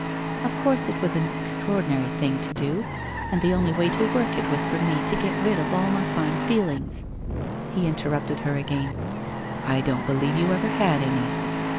Of course it was an extraordinary thing to do, and the only way to work it was for me to get rid all my fine feelings ' He interrupted her again. ' I don't believe you ever had any.'